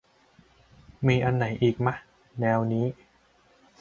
มีอันไหนอีกมะ แนวนี้